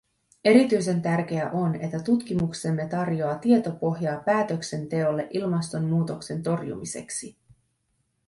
Erityisen tärkeää on, että tutkimuksemme tarjoaa tietopohjaa päätöksenteolle ilmastonmuutoksen torjumiseksi.